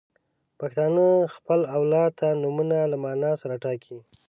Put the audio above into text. • پښتانه خپل اولاد ته نومونه له معنا سره ټاکي.